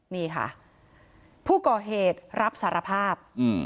นี่ค่ะผู้ก่อเหตุรับสารภาพ